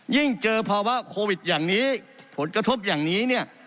ยิ่งเจอภาวะโควิดอย่างนี้ผลกระทบอย่างนี้